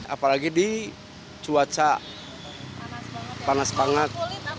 apalagi di cuaca panas banget